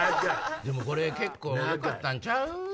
でもこれ結構よかったんちゃう？